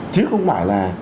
chứ không phải là